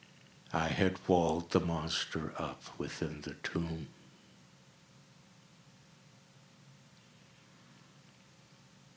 I had walled the monster up within the tomb!